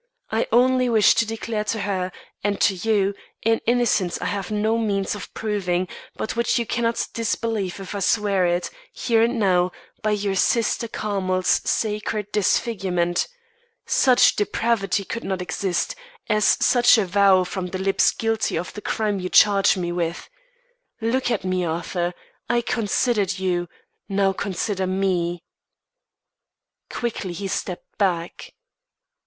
I only wish to declare to her, and to you, an innocence I have no means of proving, but which you cannot disbelieve if I swear it, here and now, by your sister Carmel's sacred disfigurement. Such depravity could not exist, as such a vow from the lips guilty of the crime you charge me with. Look at me, Arthur. I considered you now consider me." Quickly he stepped back.